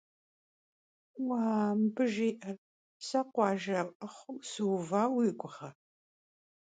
Vua, mıbı jji'er! Se khuajje 'exhueu sıuva vui guğe?